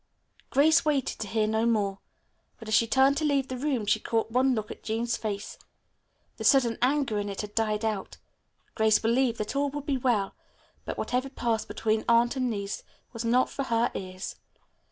Grace waited to hear no more. But as she turned to leave the room she caught one look at Jean's face. The sudden anger in it had died out. Grace believed that all would be well, but whatever passed between aunt and niece was not for her ears.